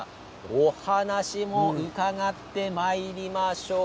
お話を伺ってまいりましょう。